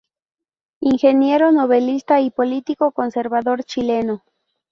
Ingeniero, novelista y político conservador chileno.